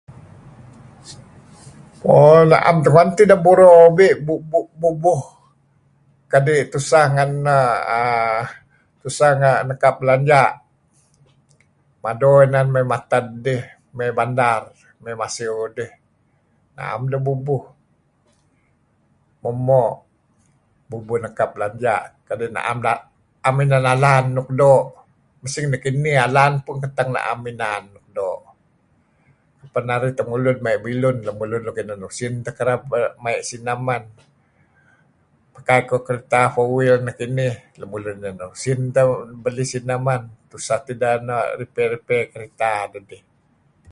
Mo' 'am tu'en deh buro be', bubuh kadi' tuseh ngen err tuseh nekap belanja'. Mado inan mey mated dih mey bandar mey masiew dih, na'em deh bubuh moo'-moo' , mey nekap belanja' kadi' inan nalan luk doo'. Mesing nekinih alan pun 'am inan doo'. Aban men narih temulud maya' bilun , lemulun luk inan usin teh kereb maya' sineh men. Pakai koh kereta four wheel nekinih lun inan usin teh belih sineh man. Tuseht ideh repair-repair kereta dedih.